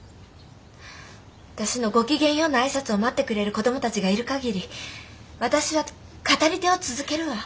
私の「ごきげんよう」の挨拶を待ってくれる子どもたちがいる限り私は語り手を続けるわ。